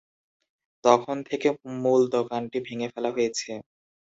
তখন থেকে মূল দোকানটি ভেঙ্গে ফেলা হয়েছে।